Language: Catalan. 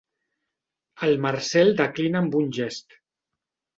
El Marcel declina amb un gest.